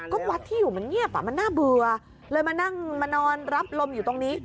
ก็วัดที่อยู่มันเงียบมันน่าเบื่อเลยมานั่งมานอนรับลมอยู่ตรงนี้